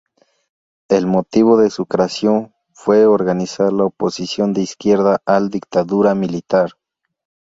El motivo de su creación fue organizar la oposición de izquierda al dictadura militar.